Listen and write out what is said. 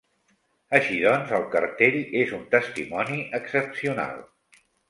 Així doncs, el cartell és un testimoni excepcional.